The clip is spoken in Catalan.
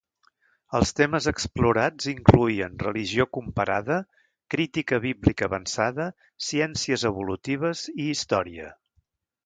Els temes explorats incloïen religió comparada, crítica bíblica avançada, ciències evolutives i història.